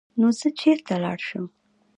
نو زۀ چرته لاړ شم ـ